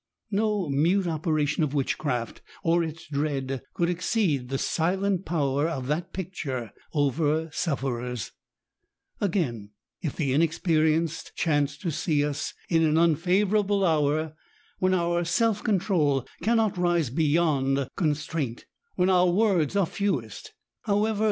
No mute operation of witchcraf);, or its dread, could exceed the silent power of that picture over sufferers. Again — ^if the inexpe* rienced chance to see us in an unfavourable hour, when our self control cannot rise beyond con straint—when our words are fewest, however POWER OF IDEAS IN THE SICK ROOM.